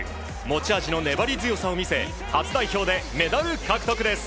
持ち味の粘り強さを見せ初代表でメダル獲得です。